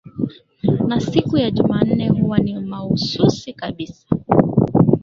na siku ya jumanne huwa ni mahususi kabisa